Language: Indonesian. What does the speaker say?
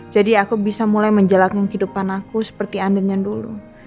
jadi aku bisa mulai menjalankan kehidupan aku seperti andin yang dulu